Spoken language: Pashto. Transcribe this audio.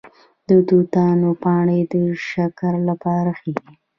د توتانو پاڼې د شکر لپاره ښې دي؟